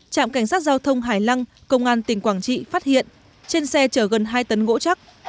trạm cảnh sát giao thông hải lăng công an tỉnh quảng trị phát hiện trên xe chở gần hai tấn gỗ chắc